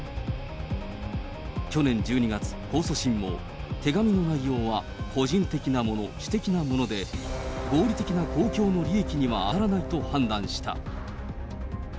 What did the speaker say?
去年１２月、控訴審も、手紙の内容は個人的なもの、私的なもので、合理的な公共の利益には当たらないと判断した。